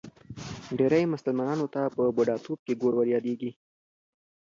ډېری مسلمانانو ته په بوډاتوب کې ګور وریادېږي.